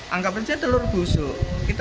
anggap percaya telur busuk